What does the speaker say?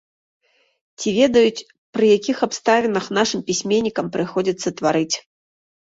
Ці ведаюць, пры якіх абставінах нашым пісьменнікам прыходзіцца тварыць?